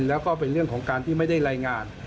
แล้วก็เป็นเรื่องของการที่ไม่ได้รายงาน